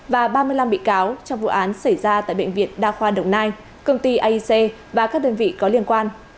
và ba mươi năm bị cáo trong vụ án xảy ra tại bệnh viện đa khoa đồng nai công ty aic và các đơn vị có liên quan